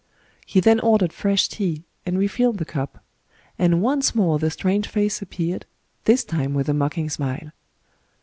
He then ordered fresh tea, and refilled the cup ; and once more the strange face appeared, — this time with a mocking smile.